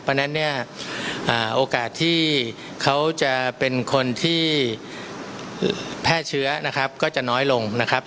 เพราะฉะนั้นเนี่ยโอกาสที่เขาจะเป็นคนที่แพร่เชื้อนะครับก็จะน้อยลงนะครับ